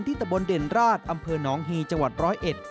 ตะบนเด่นราชอำเภอหนองฮีจังหวัดร้อยเอ็ด